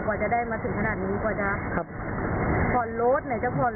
รถไหนจะอะไรแล้วก็ใกล้พรีไหมเธอแล้วมัน